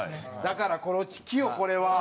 だからコロチキよこれは。